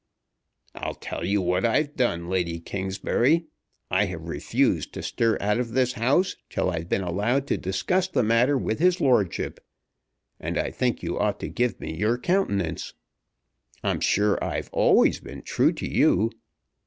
"I'll tell you what I've done, Lady Kingsbury. I have refused to stir out of this house till I've been allowed to discuss the matter with his lordship; and I think you ought to give me your countenance. I'm sure I've always been true to you.